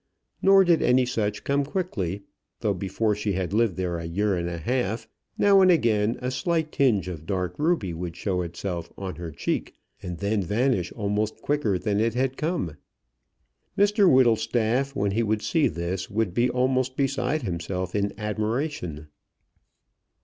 Nor did any such come quickly; though before she had lived there a year and a half, now and again a slight tinge of dark ruby would show itself on her cheek, and then vanish almost quicker than it had come. Mr Whittlestaff, when he would see this, would be almost beside himself in admiration.